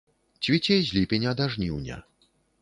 Цвіце з ліпеня да жніўня.